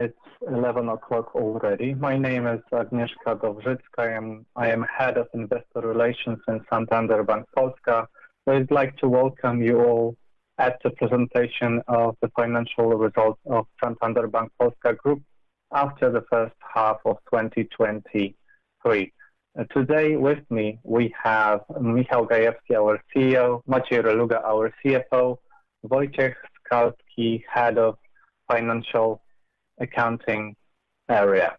It's 11 o'clock already. My name is Agnieszka Dowżycka, I am Head of Investor Relations in Santander Bank Polska. I'd like to welcome you all at the presentation of the financial results of Santander Bank Polska Group after the first half of 2023. Today with me we have Michał Gajewski, our CEO, Maciej Reluga, our CFO, Wojciech Skalski, head of financial accounting area.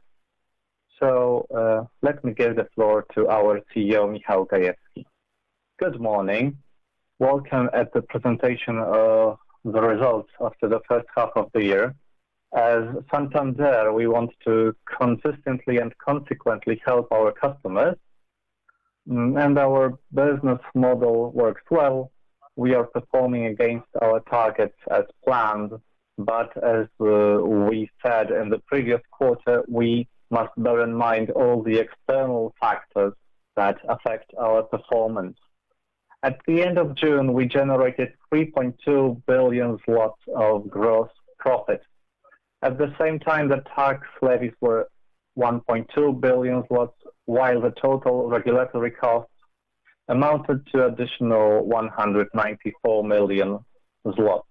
Let me give the floor to our CEO, Michał Gajewski. Good morning. Welcome at the presentation of the results after the first half of the year. As Santander, we want to consistently and consequently help our customers. Our business model works well. We are performing against our targets as planned. As we said in the previous quarter, we must bear in mind all the external factors that affect our performance. At the end of June, we generated 3.2 billion zlotys of gross profit. At the same time, the tax levies were 1.2 billion, while the total regulatory costs amounted to additional 194 million zloty.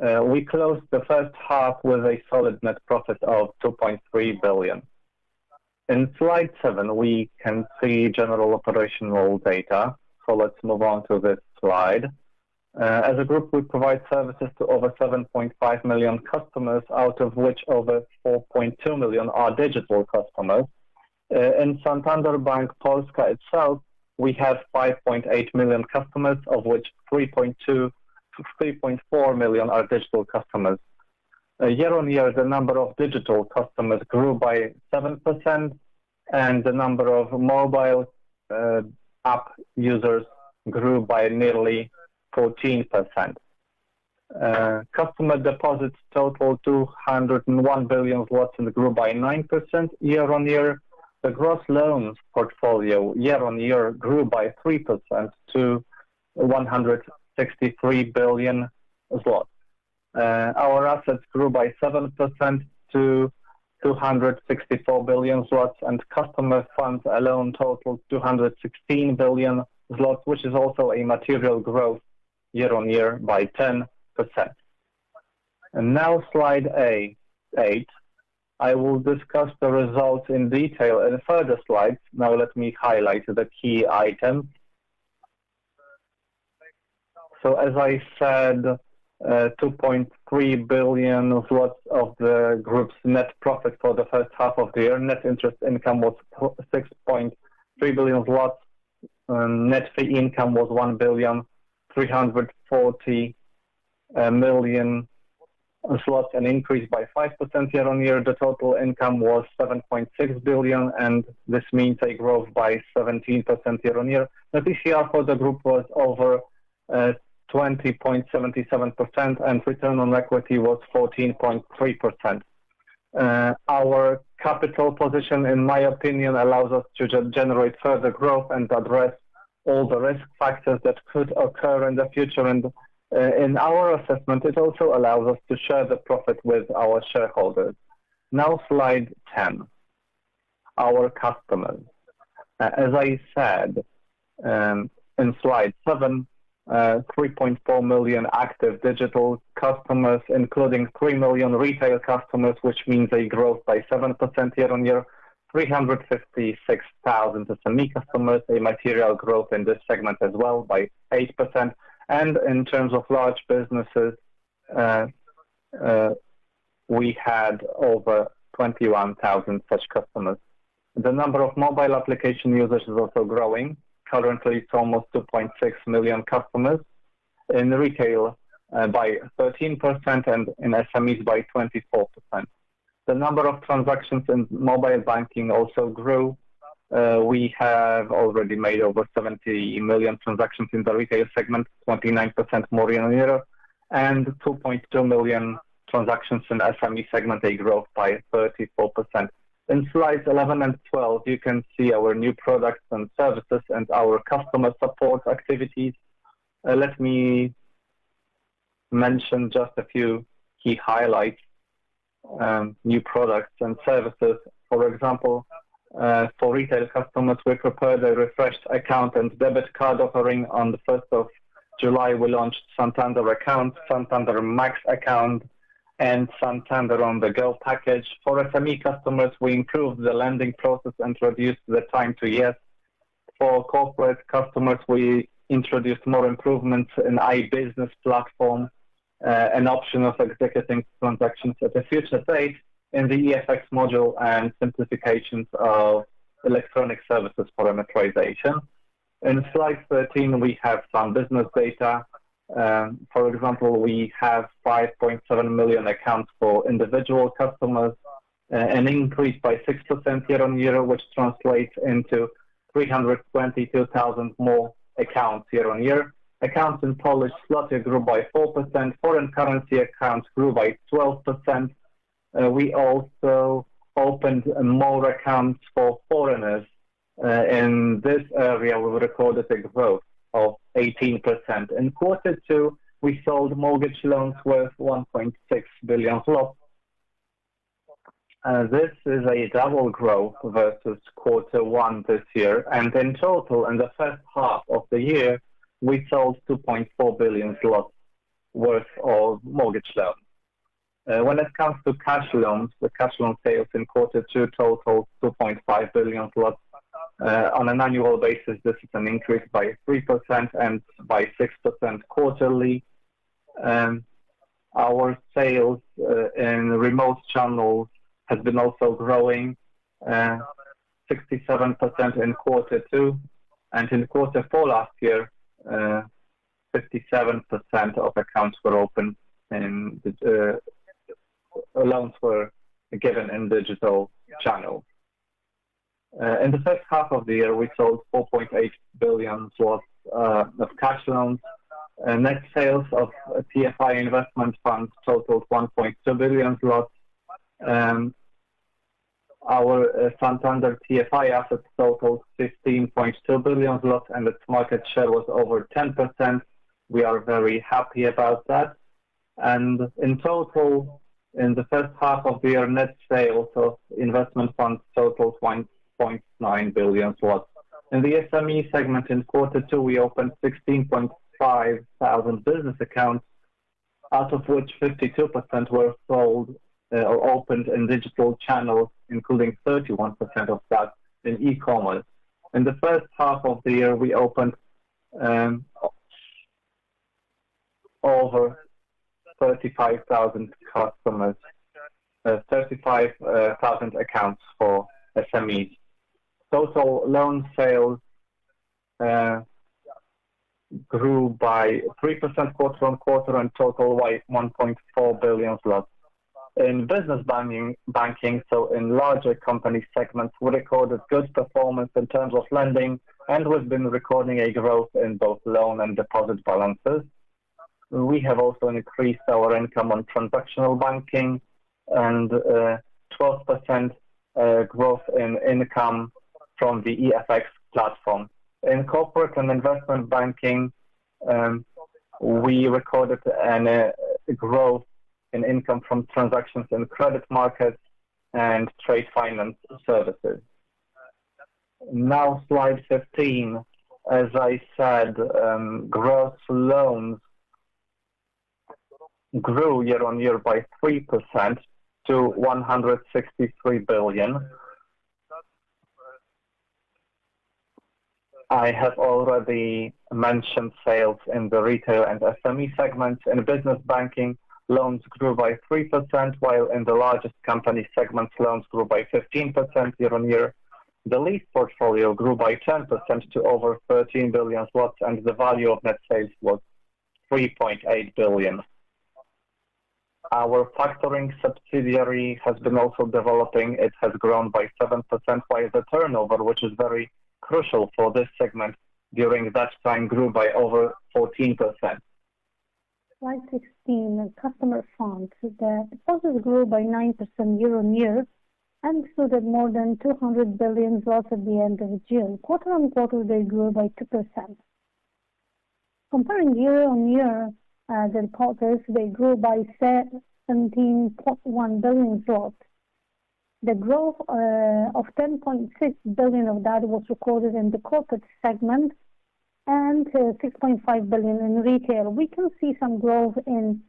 We closed the first half with a solid net profit of 2.3 billion. In slide seven, we can see general operational data. Let's move on to this slide. As a group, we provide services to over 7.5 million customers, out of which over 4.2 million are digital customers. In Santander Bank Polska itself, we have 5.8 million customers, of which 3.4 million are digital customers. Year-on-year, the number of digital customers grew by 7%, and the number of mobile app users grew by nearly 14%. Customer deposits totaled 201 billion and grew by 9% year-on-year. The gross loans portfolio year-on-year grew by 3% to 163 billion zlotys. Our assets grew by 7% to 264 billion zlotys, and customer funds alone totaled 216 billion zlotys, which is also a material growth year-on-year by 10%. Now slide eight. I will discuss the results in detail in further slides. Now let me highlight the key items. As I said, 2.3 billion of the group's net profit for the first half of the year, net interest income was 6.3 billion zlotys, and net fee income was 1.34 billion, an increase by 5% year-on-year. The total income was 7.6 billion, and this means a growth by 17% year-on-year. The TCR for the group was over 20.77%, and return on equity was 14.3%. Our capital position, in my opinion, allows us to generate further growth and address all the risk factors that could occur in the future. In our assessment, it also allows us to share the profit with our shareholders. Slide 10, our customers. As I said in slide seven, 3.4 million active digital customers, including 3 million retail customers, which means a growth by 7% year-on-year. 356,000 SME customers, a material growth in this segment as well by 8%. In terms of large businesses, we had over 21,000 such customers. The number of mobile application users is also growing. Currently, it's almost 2.6 million customers. In retail, by 13%, and in SMEs by 24%. The number of transactions in mobile banking also grew. We have already made over 70 million transactions in the retail segment, 29% more year-on-year, and 2.2 million transactions in SME segment, a growth by 34%. In slides 11 and 12, you can see our new products and services and our customer support activities. Let me mention just a few key highlights, new products and services. For example, for retail customers, we prepared a refreshed account and debit card offering. On the 1st of July, we launched Santander Account, Santander Max Account, and Santander on the go package. For SME customers, we improved the lending process and reduced the time to yes. For corporate customers, we introduced more improvements in iBiznes24 platform, an option of executing transactions at a future date in the e-FX module and simplifications of electronic services for amortization. In slide 13, we have some business data. For example, we have 5.7 million accounts for individual customers, an increase by 6% year-on-year, which translates into 322,000 more accounts year-on-year. Accounts in Polish zloty grew by 4%, foreign currency accounts grew by 12%. We also opened more accounts for foreigners. In this area, we recorded a growth of 18%. In quarter two, we sold mortgage loans worth 1.6 billion. This is a double growth versus quarter one this year. In total, in the first half of the year, we sold 2.4 billion zlotys worth of mortgage loans. When it comes to cash loans, the cash loan sales in quarter two totaled 2.5 billion. On an annual basis, this is an increase by 3% and by 6% quarterly. Our sales in remote channels have been also growing, 67% in quarter two. In quarter four last year, 57% of accounts were opened and loans were given in digital channels. In the first half of the year, we sold 4.8 billion zlotys of cash loans. Net sales of TFI investment funds totaled 1.2 billion. Our Santander TFI assets totaled 15.2 billion, and its market share was over 10%. We are very happy about that. In total, in the first half of the year, net sales of investment funds totaled 1.9 billion. In the SME segment in quarter two, we opened 16,500 business accounts, out of which 52% were sold or opened in digital channels, including 31% of that in e-commerce. In the first half of the year, we opened over 35,000 customers, 35,000 accounts for SMEs. Total loan sales grew by 3% quarter-on-quarter and totaled 1.4 billion. In business banking, so in larger company segments, we recorded good performance in terms of lending and we've been recording a growth in both loan and deposit balances. We have also increased our income on transactional banking and 12% growth in income from the e-FX platform. In corporate and investment banking, we recorded a growth in income from transactions in credit markets and trade finance services. Slide 15. As I said, gross loans grew year-over-year by 3% to PLN 163 billion. I have already mentioned sales in the retail and SME segments. In business banking, loans grew by 3%, while in the largest company segments, loans grew by 15% year-over-year. The lease portfolio grew by 10% to over 13 billion zlotys, and the value of net sales was 3.8 billion. Our factoring subsidiary has been also developing. It has grown by 7%, while the turnover, which is very crucial for this segment during that time, grew by over 14%. Slide 16. Customer funds, the deposits grew by 9% year-on-year and excluded more than 200 billion at the end of June. Quarter-on-quarter, they grew by 2%. Comparing year-on-year, the deposits, they grew by 17.1 billion zloty. The growth of 10.6 billion of that was recorded in the corporate segment and 6.5 billion in retail. We can see some growth in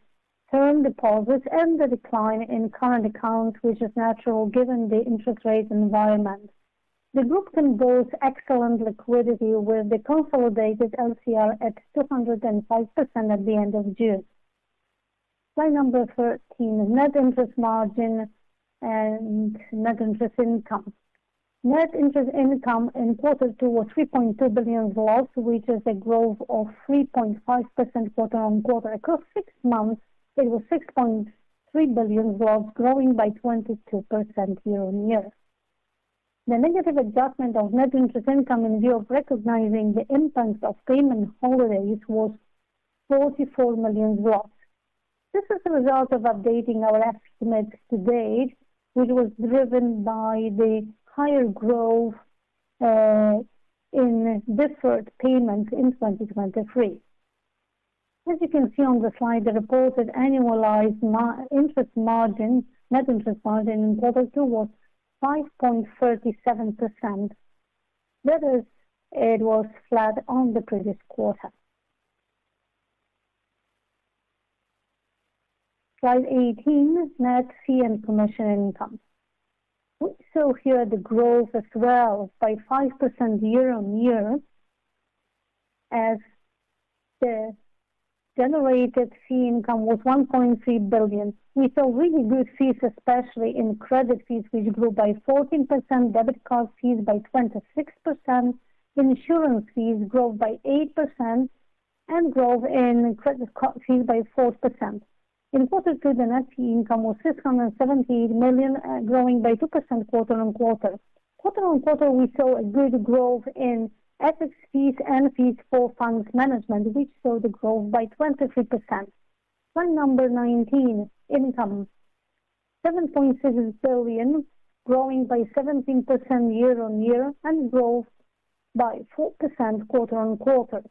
term deposits and the decline in current accounts, which is natural given the interest rate environment. The group can boast excellent liquidity with the consolidated LCR at 205% at the end of June. Slide number 13. Net interest margin and net interest income. Net interest income in Q2 was PLN 3.2 billion, which is a growth of 3.5% quarter-on-quarter. Across 6 months, it was PLN 6.3 billion, growing by 22% year-on-year. The negative adjustment of net interest income in view of recognizing the impact of payment holidays was PLN 44 million. This is the result of updating our estimate to date, which was driven by the higher growth in deferred payments in 2023. As you can see on the slide, the reported annualized net interest margin in quarter two was 5.37%. That is, it was flat on the previous quarter. Slide 18. Net fee and commission income. We saw here the growth as well by 5% year-on-year, as the generated fee income was 1.3 billion. We saw really good fees, especially in credit fees, which grew by 14%, debit card fees by 26%, insurance fees grew by 8%, and growth in credit card fees by 4%. In quarter two, the net fee income was 678 million, growing by 2% quarter-on-quarter. Quarter-on-quarter, we saw a good growth in FX fees and fees for funds management, which showed a growth by 23%. Slide number 19. Income. 7.6 billion, growing by 17% year-on-year and growth by 4% quarter-on-quarter.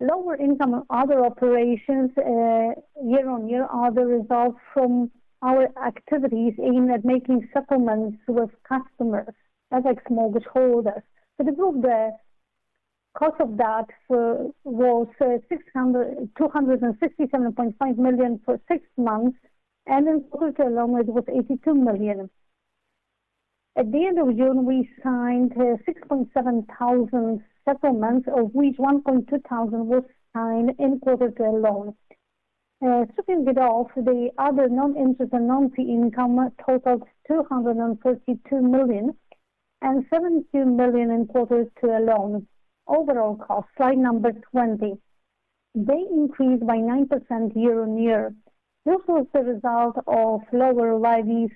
Lower income and other operations year-on-year are the results from our activities aimed at making settlements with customers, FX mortgage holders. For the group, the cost of that was 267.5 million for six months, and in quarter two alone, it was 82 million. At the end of June, we signed 6,700 settlements, of which 1,200 was signed in quarter two alone. Shaking it off, the other non-interest and non-fee income totaled 232 million and 72 million in quarter two alone. Overall cost. Slide number 20. They increased by 9% year-on-year. This was the result of lower levies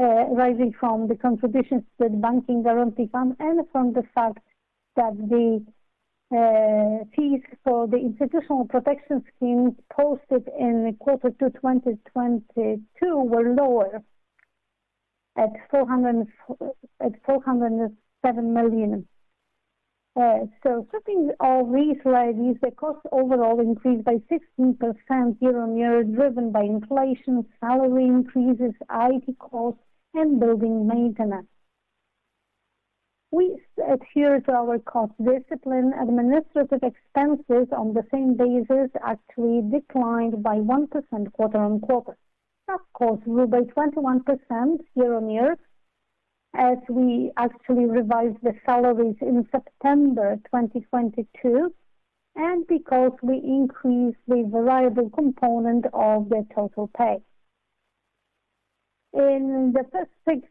arising from the contributions to the Bank Guarantee Fund and from the fact that the fees for the institutional protection scheme posted in quarter two 2022 were lower at 407 million. Slipping all these levies, the cost overall increased by 16% year-on-year, driven by inflation, salary increases, IT costs, and building maintenance. We adhere to our cost discipline. Administrative expenses on the same basis actually declined by 1% quarter-on-quarter. That cost grew by 21% year-on-year as we actually revised the salaries in September 2022 and because we increased the variable component of the total pay. In the first six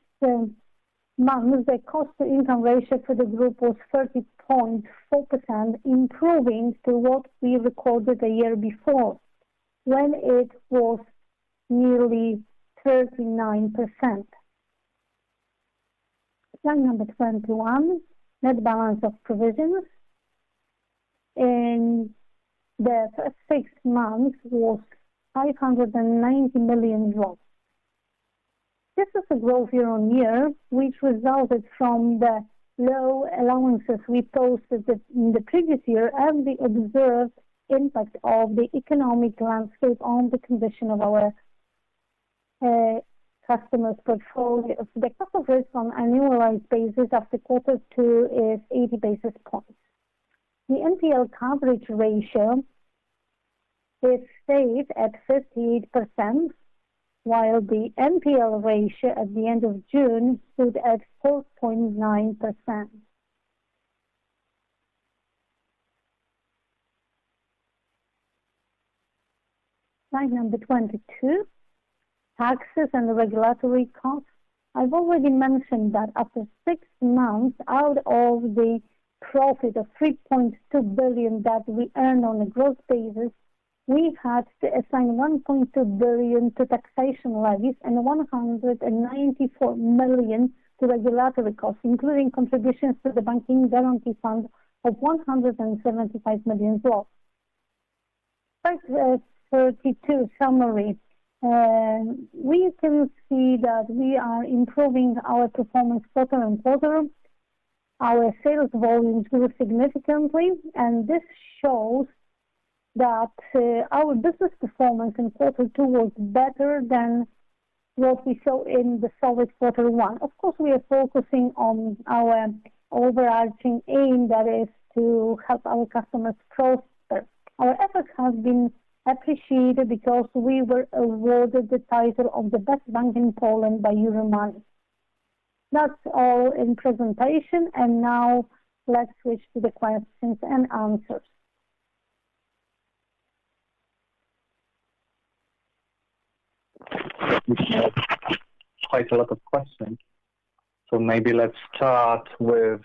months, the cost-to-income ratio for the group was 30.4%, improving to what we recorded the year before when it was nearly 39%. Slide number 21. In the first six months, it was 590 million. This is a growth year-on-year, which resulted from the low allowances we posted in the previous year and the observed impact of the economic landscape on the condition of our customers' portfolio. The cost of risk on annualized basis after quarter two is 80 basis points. The NPL coverage ratio is stayed at 58%, while the NPL ratio at the end of June stood at 4.9%. Slide number 22. Taxes and regulatory costs. I've already mentioned that after six months out of the profit of 3.2 billion that we earned on a gross basis, we had to assign 1.2 billion to taxation levies and 194 million to regulatory costs, including contributions to the Bank Guarantee Fund of 175 million. Slide 32. Summary. We can see that we are improving our performance quarter-on-quarter. Our sales volumes grew significantly, and this shows that our business performance in quarter two was better than what we saw in the solid quarter one. Of course, we are focusing on our overarching aim, that is, to help our customers prosper. Our effort has been appreciated because we were awarded the title of the best bank in Poland by Euromoney. That's all in presentation, and now let's switch to the questions-and-answers. We've had quite a lot of questions. Maybe let's start with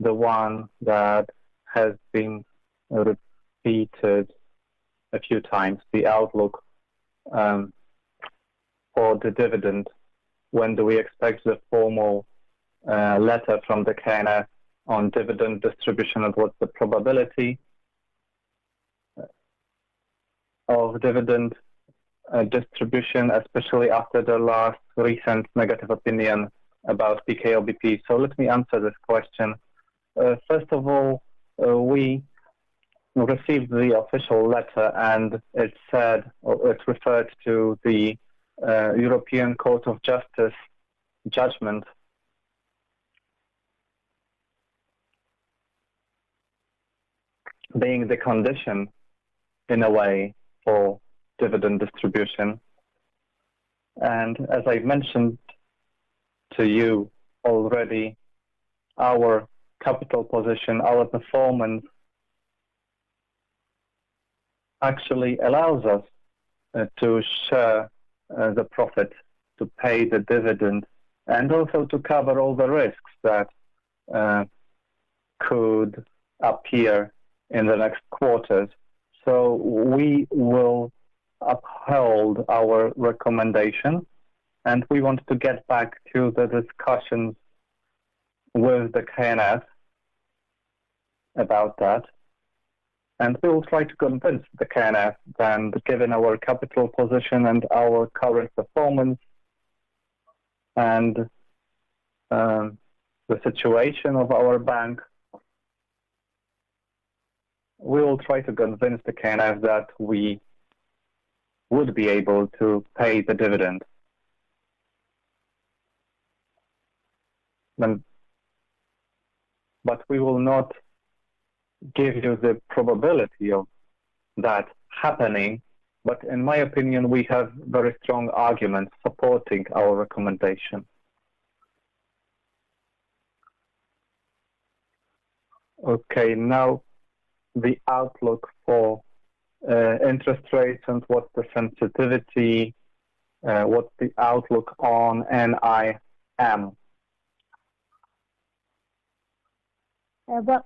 the one that has been repeated a few times. The outlook for the dividend. When do we expect the formal letter from the KNF on dividend distribution? What's the probability of dividend distribution, especially after the last recent negative opinion about PKOBP? Let me answer this question. First of all, we received the official letter, and it referred to the European Court of Justice judgment being the condition, in a way, for dividend distribution. As I've mentioned to you already, our capital position, our performance actually allows us to share the profit, to pay the dividend, and also to cover all the risks that could appear in the next quarters. We will uphold our recommendation, and we want to get back to the discussions with the KNF about that. We will try to convince the KNF that given our capital position and our current performance and the situation of our bank, we will try to convince the KNF that we would be able to pay the dividend. We will not give you the probability of that happening, but in my opinion, we have very strong arguments supporting our recommendation. Now, the outlook for interest rates and what the sensitivity what's the outlook on NIM?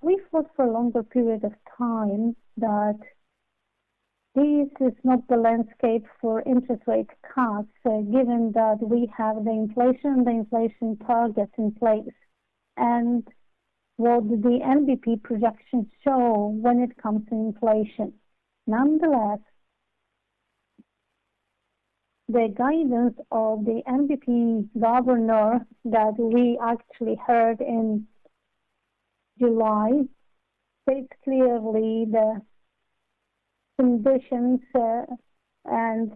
We thought for a longer period of time that this is not the landscape for interest rate cuts given that we have the inflation target in place and what the NBP projections show when it comes to inflation. Nonetheless, the guidance of the NBP governor that we actually heard in July states clearly the conditions and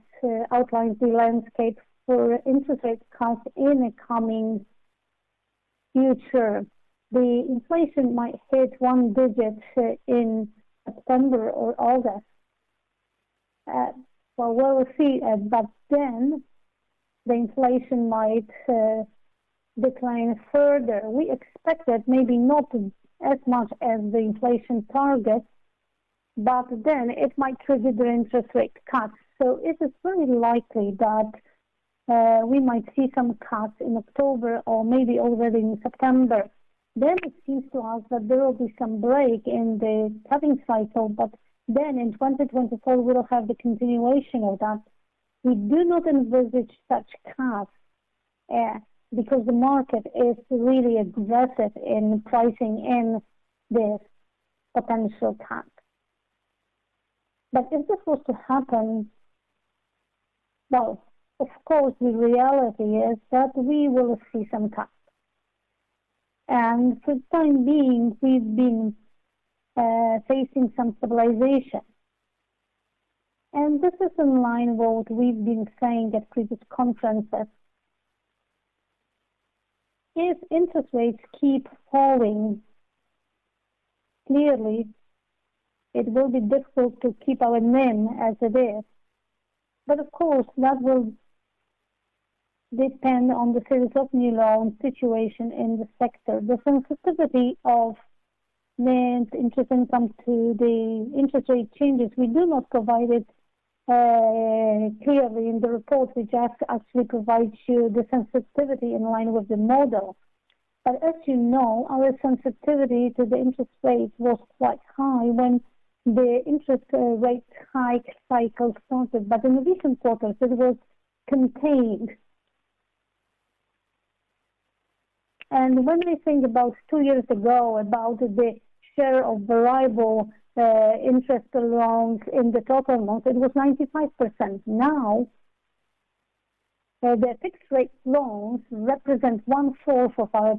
outlines the landscape for interest rate cuts in the coming future. The inflation might hit one digit in September or August. We'll see. The inflation might decline further. We expect it maybe not as much as the inflation target, but then it might trigger the interest rate cuts. It is very likely that we might see some cuts in October or maybe already in September. It seems to us that there will be some break in the cutting cycle, but then in 2024, we will have the continuation of that. We do not envisage such cuts because the market is really aggressive in pricing in this potential cut. If this was to happen, well, of course, the reality is that we will see some cuts. For the time being, we've been facing some stabilization. This is in line with what we've been saying at previous conferences. If interest rates keep falling, clearly, it will be difficult to keep our NIM as it is. Of course, that will depend on the series of new loan situation in the sector. The sensitivity of NIMs, interest income to the interest rate changes, we do not provide it clearly in the report. We just actually provide you the sensitivity in line with the model. As you know, our sensitivity to the interest rates was quite high when the interest rate hike cycle started. In the recent quarters, it was contained. When we think about two years ago, about the share of variable interest loans in the total amount, it was 95%. Now, the fixed-rate loans represent one-fourth of our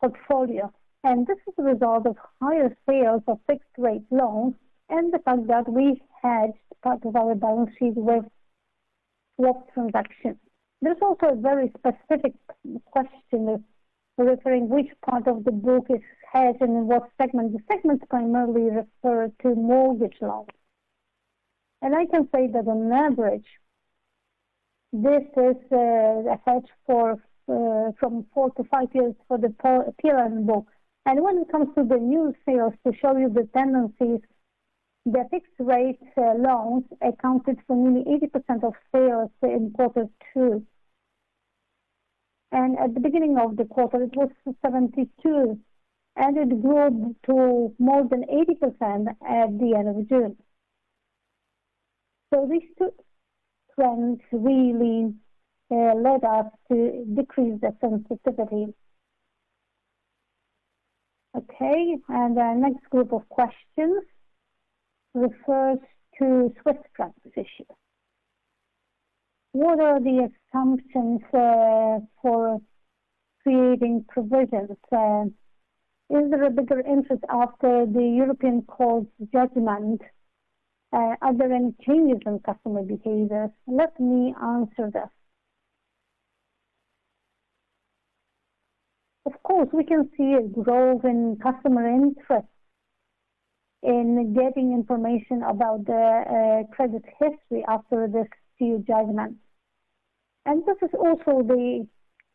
portfolio. This is a result of higher sales of fixed-rate loans and the fact that we hedged part of our balance sheet with swap transactions. There's also a very specific question referring to which part of the book is hedged and in what segment. The segments primarily refer to mortgage loans. I can say that on average, this is a hedge from four to five years for the PLN book. When it comes to the new sales, to show you the tendencies, the fixed-rate loans accounted for nearly 80% of sales in Q2. At the beginning of the quarter, it was 72%, and it grew to more than 80% at the end of June. These two trends really led us to decrease the sensitivity. Okay. The next group of questions refers to Swiss franc transition. What are the assumptions for creating provisions? Is there a bigger interest after the European Court of Justice's judgment? Are there any changes in customer behavior? Let me answer this. Of course, we can see a growth in customer interest in getting information about the credit history after this new judgment. This is also the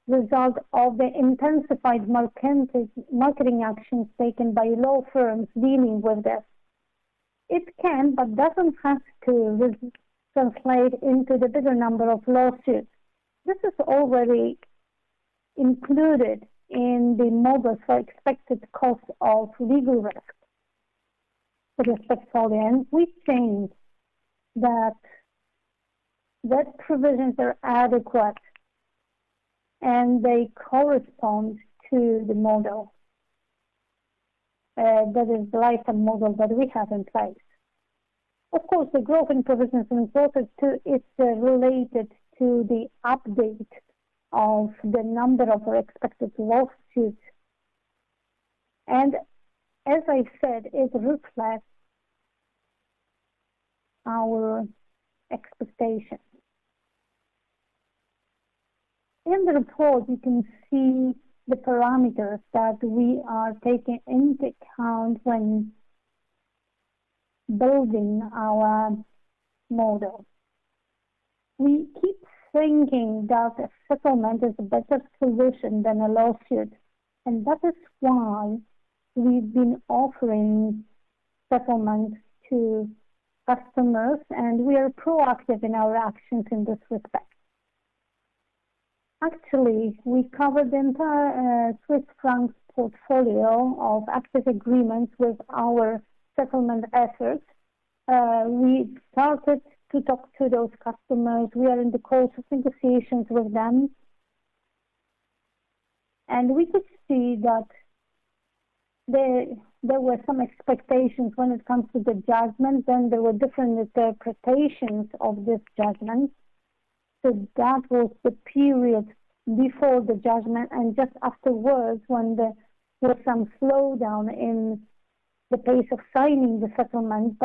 result of the intensified marketing actions taken by law firms dealing with this. It can, but doesn't have to translate into the bigger number of lawsuits. This is already included in the modus for expected costs of legal risk. With respect to all the ends, we think that provisions are adequate and they correspond to the model. That is the lifetime model that we have in place. Of course, the growth in provisions in quarter two, it's related to the update of the number of expected lawsuits. As I said, it reflects our expectations. In the report, you can see the parameters that we are taking into account when building our model. We keep thinking that a settlement is a better solution than a lawsuit, and that is why we've been offering settlements to customers, and we are proactive in our actions in this respect. Actually, we covered the entire Swiss Franc portfolio of active agreements with our settlement efforts. We started to talk to those customers. We are in the course of negotiations with them. We could see that there were some expectations when it comes to the judgment, then there were different interpretations of this judgment. That was the period before the judgment and just afterwards when there was some slowdown in the pace of signing the settlement.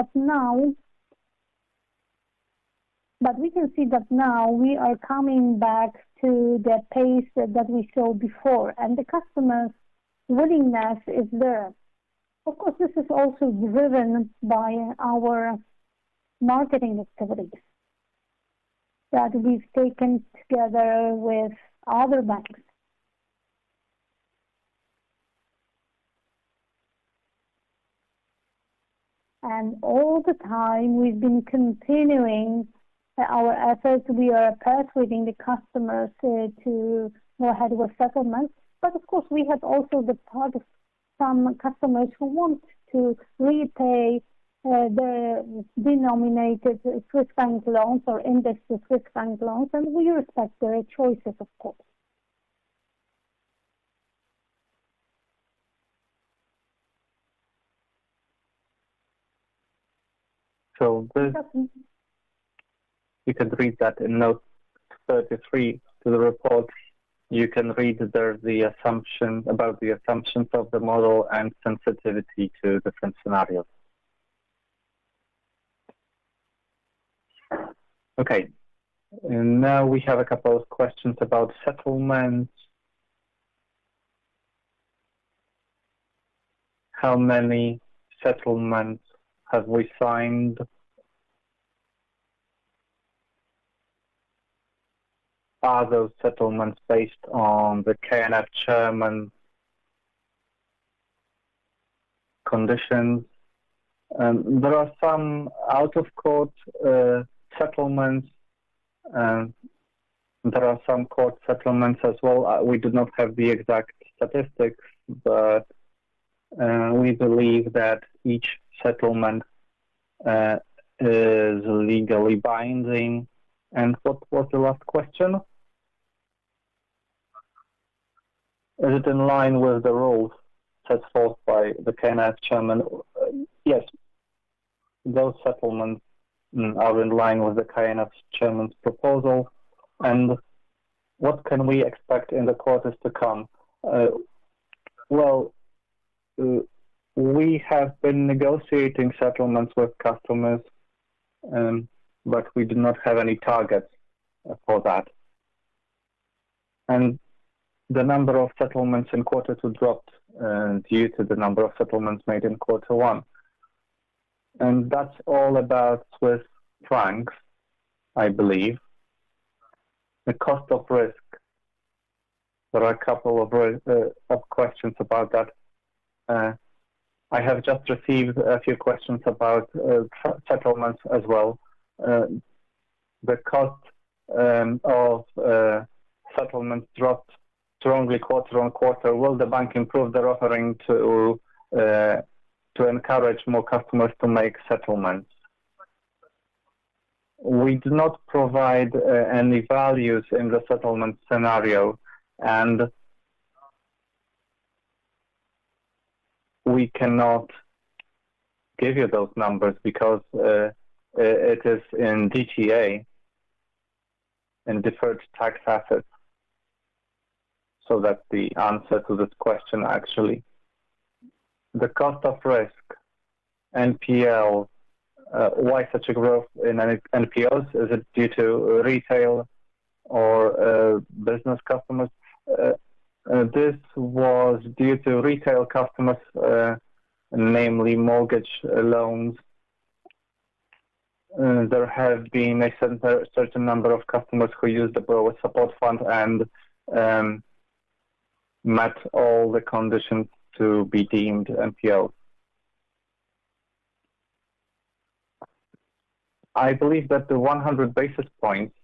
We can see that now we are coming back to the pace that we saw before, and the customer's willingness is there. Of course, this is also driven by our marketing activities that we've taken together with other banks. All the time, we've been continuing our efforts. We are persuading the customers to go ahead with settlements. Of course, we have also the part of some customers who want to repay their denominated Swiss franc loans or indexed Swiss franc loans, and we respect their choices, of course. This. Doesn't. You can read that in note 33 to the report. You can read about the assumptions of the model and sensitivity to different scenarios. Now we have a couple of questions about settlements. How many settlements have we signed? Are those settlements based on the KNF chairman's conditions? There are some out-of-court settlements. There are some court settlements as well. We do not have the exact statistics, but we believe that each settlement is legally binding. What was the last question? Is it in line with the rules set forth by the KNF chairman? Yes. Those settlements are in line with the KNF chairman's proposal. What can we expect in the quarters to come? Well, we have been negotiating settlements with customers, but we do not have any targets for that. The number of settlements in quarter two dropped due to the number of settlements made in quarter one. That's all about Swiss francs, I believe. The cost of risk. There are a couple of questions about that. I have just received a few questions about settlements as well. The cost of settlements dropped strongly quarter-on-quarter. Will the bank improve their offering to encourage more customers to make settlements? We do not provide any values in the settlement scenario, and we cannot give you those numbers because it is in DTA, in deferred tax assets. That's the answer to this question, actually. The cost of risk, NPL, why such a growth in NPLs? Is it due to retail or business customers? This was due to retail customers, namely mortgage loans. There have been a certain number of customers who used the Borrower Support Fund and met all the conditions to be deemed NPLs. I believe that the 100 basis points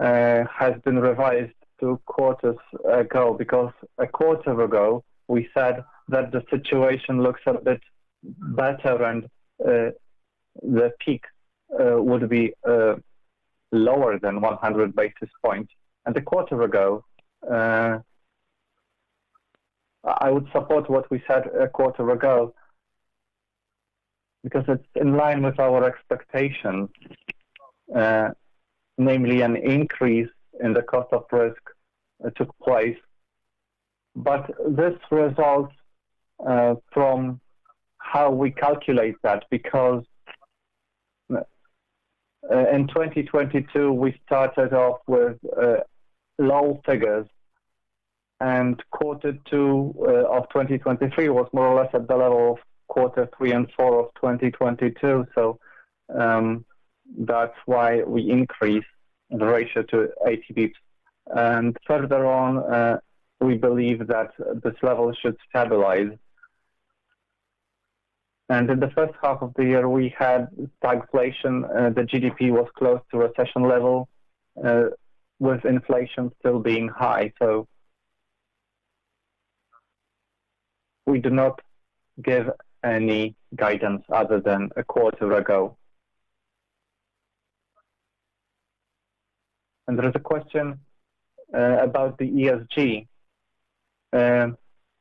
has been revised two quarters ago because a quarter ago, we said that the situation looks a bit better and the peak would be lower than 100 basis points. A quarter ago, I would support what we said a quarter ago because it's in line with our expectations, namely an increase in the cost of risk took place. This results from how we calculate that because in 2022, we started off with low figures, and quarter two of 2023 was more or less at the level of quarter three and four of 2022. That's why we increased the ratio to 80 basis points. Further on, we believe that this level should stabilize. In the first half of the year, we had stagflation. The GDP was close to recession level with inflation still being high. We do not give any guidance other than a quarter ago. There is a question about the ESG.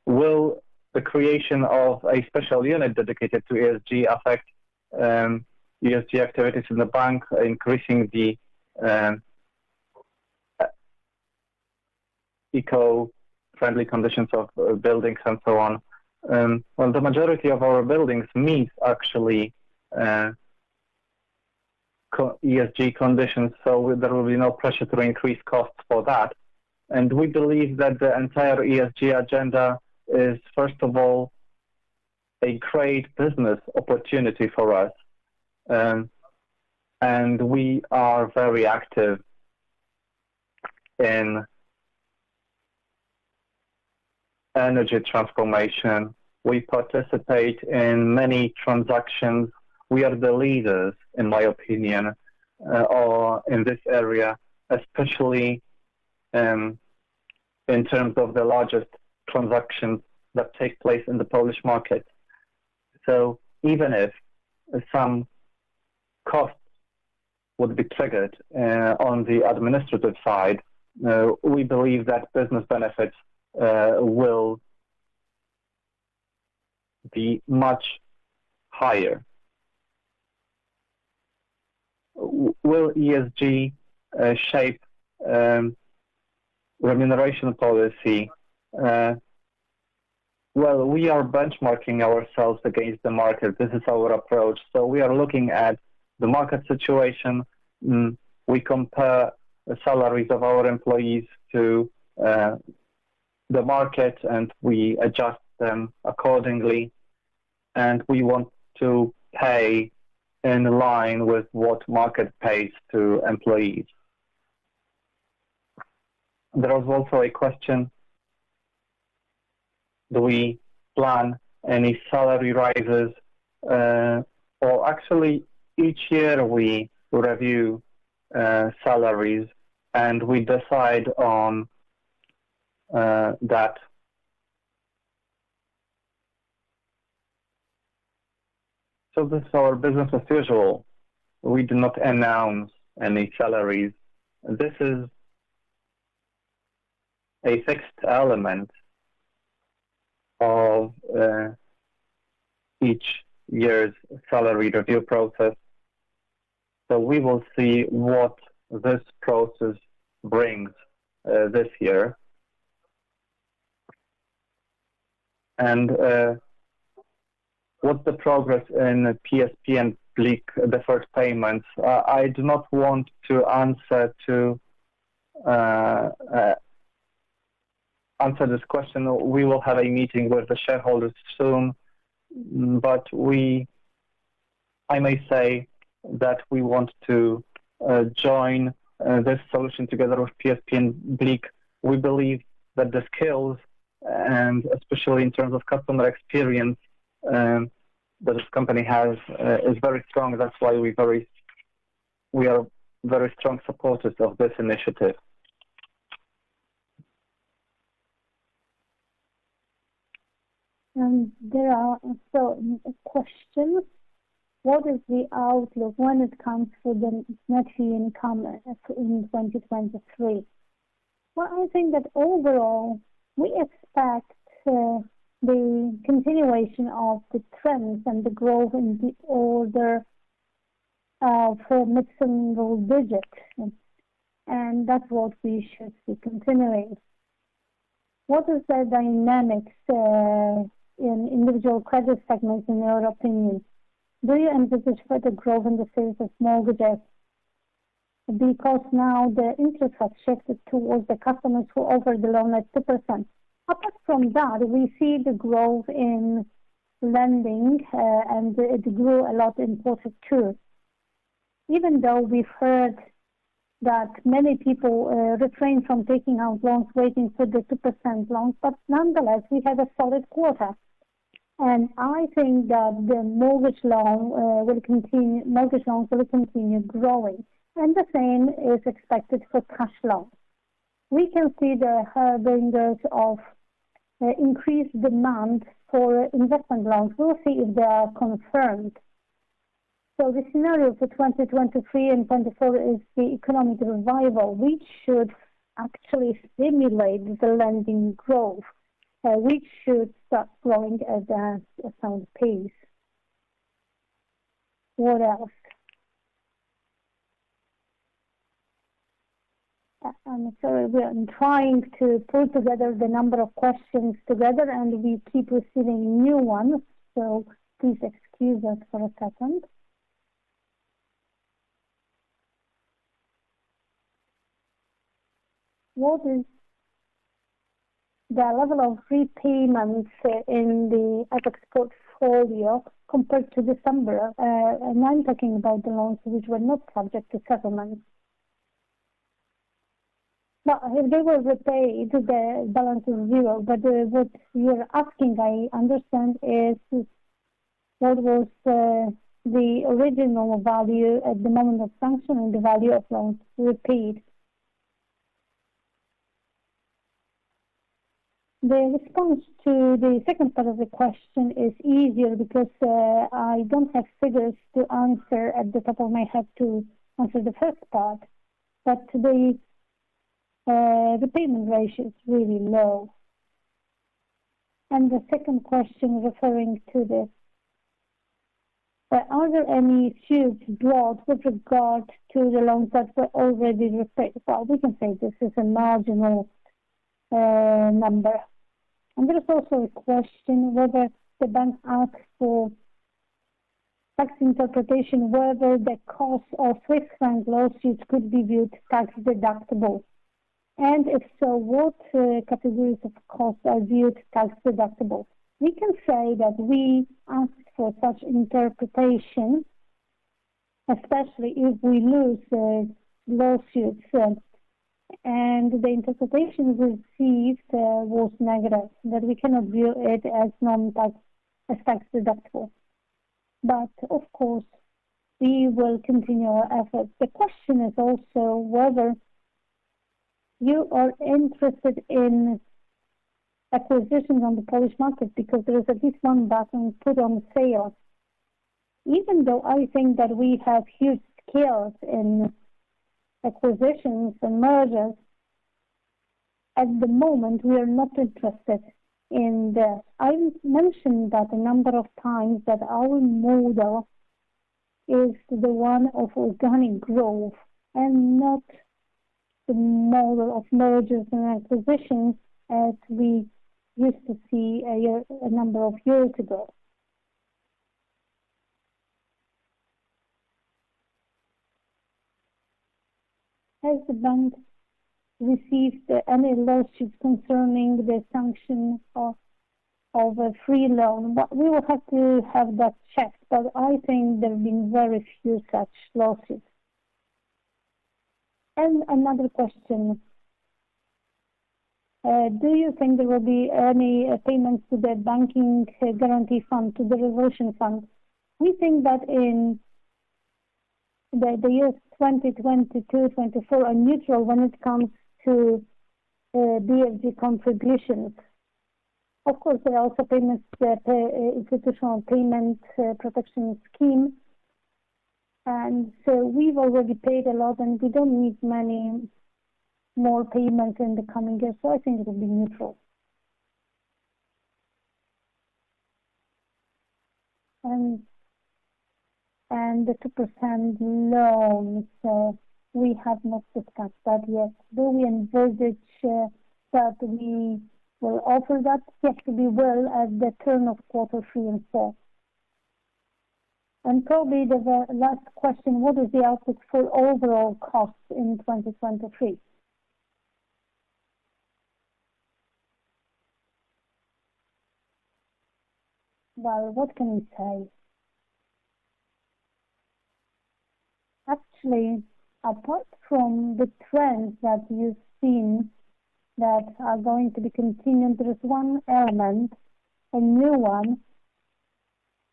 Will the creation of a special unit dedicated to ESG affect ESG activities in the bank, increasing the eco-friendly conditions of buildings and so on? Well, the majority of our buildings meet actually ESG conditions, so there will be no pressure to increase costs for that. We believe that the entire ESG agenda is, first of all, a great business opportunity for us. We are very active in energy transformation. We participate in many transactions. We are the leaders, in my opinion, in this area, especially in terms of the largest transactions that take place in the Polish market. Even if some costs would be triggered on the administrative side, we believe that business benefits will be much higher. Will ESG shape remuneration policy? Well, we are benchmarking ourselves against the market. This is our approach. We are looking at the market situation. We compare salaries of our employees to the market, and we adjust them accordingly. We want to pay in line with what the market pays to employees. There was also a question. Do we plan any salary rises? Well, actually, each year, we review salaries, and we decide on that. This is our business as usual. We do not announce any salaries. This is a fixed element of each year's salary review process. We will see what this process brings this year. What's the progress in PSP and BLIK deferred payments? I do not want to answer this question. We will have a meeting with the shareholders soon, but I may say that we want to join this solution together with PSP and BLIK. We believe that the skills, and especially in terms of customer experience that this company has, is very strong. That's why we are very strong supporters of this initiative. There are also questions. What is the outlook when it comes to the net fee income in 2023? Well, I think that overall, we expect the continuation of the trends and the growth in the order of mid-single digits, and that's what we should be continuing. What is the dynamics in individual credit segments, in your opinion? Do you envisage further growth in the space of mortgages because now the interest has shifted towards the customers who offer the 2% loan? Apart from that, we see the growth in lending, and it grew a lot in Q2, even though we've heard that many people refrain from taking out loans, waiting for the 2% loans. Nonetheless, we have a solid quarter. I think that the mortgage loans will continue growing, and the same is expected for cash loans. We can see the harbingers of increased demand for investment loans. We'll see if they are confirmed. The scenario for 2023 and 2024 is the economic revival, which should actually stimulate the lending growth, which should start growing at a sound pace. What else? I'm sorry. We are trying to put together the number of questions together, and we keep receiving new ones. Please excuse us for a second. What is the level of repayments in the asset portfolio compared to December? I'm talking about the loans which were not subject to settlements. Well, if they were repaid, the balance is zero. What you're asking, I understand, is what was the original value at the moment of sanction and the value of loans repaid? The response to the second part of the question is easier because I don't have figures to answer at the top of my head to answer the first part. The repayment ratio is really low. The second question referring to this, are there any huge drops with regard to the loans that were already repaid? Well, we can say this is a marginal number. There is also a question whether the bank asks for tax interpretation whether the cost of Swiss franc lawsuits could be viewed tax deductible. If so, what categories of costs are viewed tax deductible? We can say that we asked for such interpretation, especially if we lose lawsuits, and the interpretation received was negative, that we cannot view it as tax deductible. Of course, we will continue our efforts. The question is also whether you are interested in acquisitions on the Polish market because there is at least one button put on sale. I think that we have huge scales in acquisitions and mergers, at the moment, we are not interested in this. I mentioned that a number of times that our model is the one of organic growth and not the model of mergers and acquisitions as we used to see a number of years ago. Has the bank received any lawsuits concerning the sanction of a free loan? We will have to have that checked, I think there have been very few such lawsuits. Another question. Do you think there will be any payments to the Bank Guarantee Fund, to the resolution fund? We think that in the years 2022, 2024, are neutral when it comes to BFG contributions. Of course, there are also Institutional Payment Protection scheme. We've already paid a lot, and we don't need many more payments in the coming years. I think it will be neutral. The 2% loan, we have not discussed that yet. Do we envisage that we will offer that? Yes, we will at the turn of quarter three and four. Probably the last question, what is the outlook for overall costs in 2023? Well, what can we say? Actually, apart from the trends that you've seen that are going to be continued, there is one element, a new one,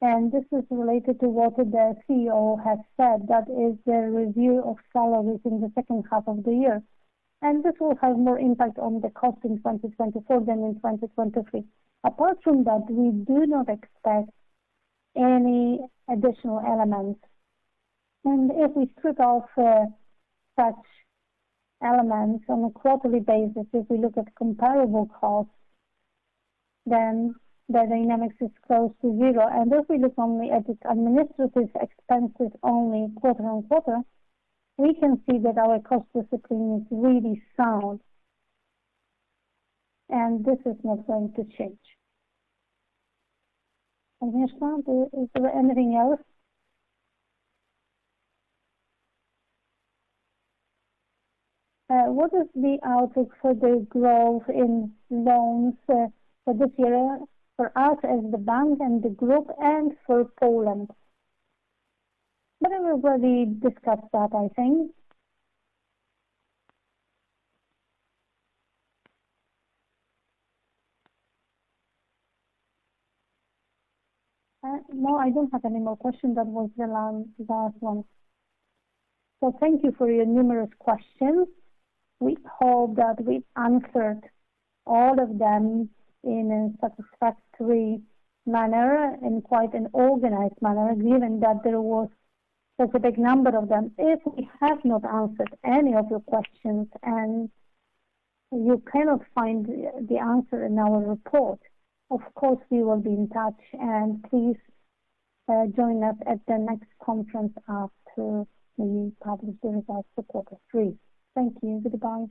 and this is related to what the CEO has said, that is the review of salaries in the second half of the year. This will have more impact on the cost in 2024 than in 2023. Apart from that, we do not expect any additional elements. If we strip off such elements on a quarterly basis, if we look at comparable costs, then the dynamics is close to zero. If we look only at the administrative expenses only quarter-on-quarter, we can see that our cost discipline is really sound. This is not going to change. Michał, is there anything else? What is the outlook for the growth in loans for this year for us as the bank and the group and for Poland? Everybody discussed that, I think. No, I don't have any more questions. That was the last one. Thank you for your numerous questions. We hope that we've answered all of them in a satisfactory manner and quite an organized manner, given that there was such a big number of them. If we have not answered any of your questions and you cannot find the answer in our report, of course, we will be in touch. Please join us at the next conference after we publish the results of quarter three. Thank you. Goodbye.